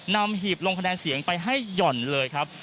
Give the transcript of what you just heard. หีบลงคะแนนเสียงไปให้หย่อนเลยครับ